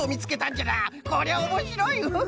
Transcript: こりゃおもしろいウフフ。